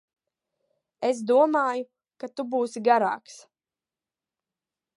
Es domāju, ka tu būsi garāks.